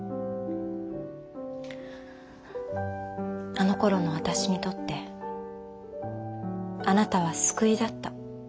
あのころの私にとってあなたは救いだった。